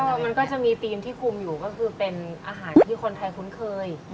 มันก็จะมีธีมที่คุมอยู่ก็คือเป็นอาหารที่คนไทยคุ้นเคย